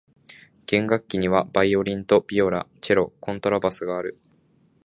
弦楽器にはバイオリンとビオラ、チェロ、コントラバスがある。